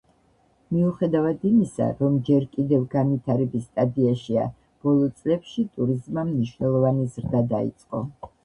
მიუხედავად იმისა, რომ ჯერ კიდევ განვითარების სტადიაშია, ბოლო წლებში ტურიზმმა მნიშვნელოვანი ზრდა დაიწყო.